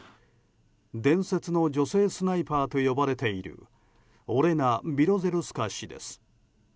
伝説の女性スナイパーと呼ばれているオレナ・ビロゼルスカ氏です。